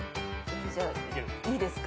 じゃあいいですか？